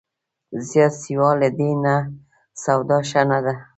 زیات سیوا له دې نه، سودا ښه نه ده